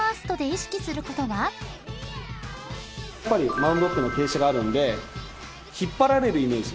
マウンドって傾斜があるんで引っ張られるイメージ。